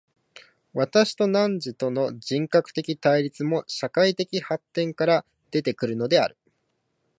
私と汝との人格的対立も、社会的発展から出て来るのである。